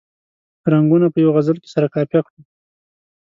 رنګونه په یوه غزل کې سره قافیه کړو.